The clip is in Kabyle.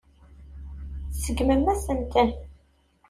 Tseggmem-asen-ten.